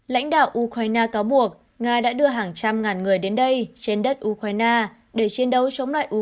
lãnh đạo ukraine cáo buộc nga đã đưa hàng trăm ngàn người đến đây trên đất ukraine để chiến đấu chống lại u hai